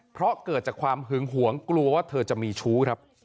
เพราะเกิดจากความหึงหวงกลัวว่าเธอจะมีชู้ครับ